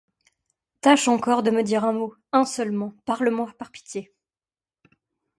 Tâche encor de me dire Un mot! un seulement ! parle-moi, par pitié !